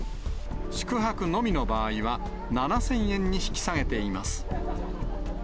宿泊のみの場合は７０００円に引き下げています。